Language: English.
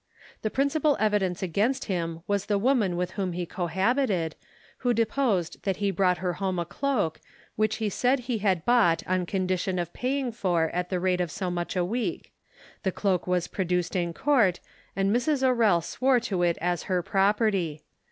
The principal evidence against him was the woman with whom he cohabited, who deposed that he brought her home a cloak, which he said he had bought on condition of paying for at the rate of so much a week. The cloak was produced in Court, and Mrs Orrell swore to it as her property.